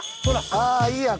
ああいいやん。